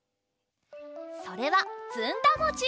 それはずんだもち！